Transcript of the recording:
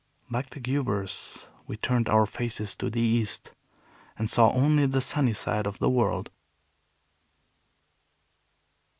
Like the Guebers, we turned our faces to the East, and saw only the sunny side of the world.